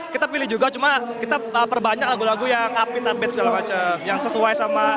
kita pilih juga cuma kita perbanyak lagu lagu yang upin update segala macam yang sesuai sama